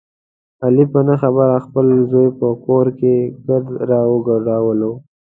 علي په نه خبره خپل زوی په کور کې ګرد را وګډولو.